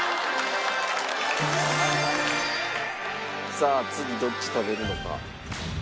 さあ次どっち食べるのか。